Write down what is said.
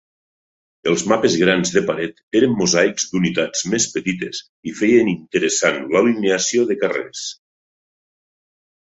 Els mapes grans de paret eren mosaics d'unitats més petites i feien interessant l'alineació de carrers.